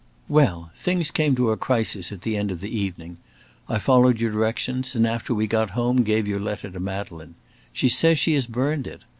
Well! things came to a crisis at the end of the evening. I followed your directions, and after we got home gave your letter to Madeleine. She says she has burned it.